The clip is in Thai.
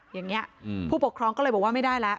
อย่างนี้ผู้ปกครองก็เลยบอกว่าไม่ได้แล้ว